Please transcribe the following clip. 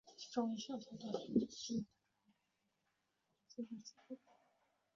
其中一项从导片至系列的重要改变是新发现放在背景艺术上的重点。